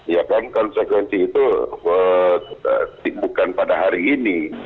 ya kan konsekuensi itu bukan pada hari ini